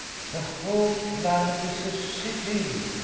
"The whole planet is a city!"